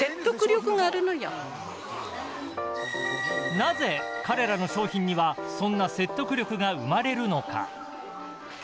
なぜ、彼らの商品にはそんな説得力が生まれるのか。